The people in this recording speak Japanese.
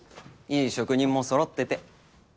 いい職人もそろってて。